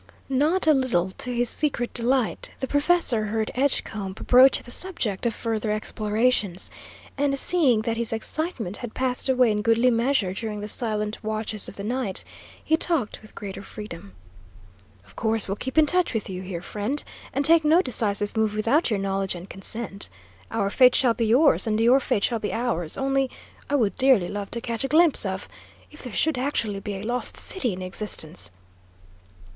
Not a little to his secret delight, the professor heard Edgecombe broach the subject of further explorations, and seeing that his excitement had passed away in goodly measure during the silent watches of the night, he talked with greater freedom. "Of course we'll keep in touch with you, here, friend, and take no decisive move without your knowledge and consent. Our fate shall be yours, and your fate shall be ours. Only I would dearly love to catch a glimpse of If there should actually be a Lost City in existence!"